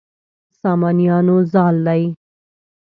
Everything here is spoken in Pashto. سامانیانو زال دی.